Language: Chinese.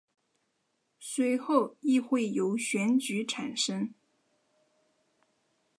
随后议会由选举产生。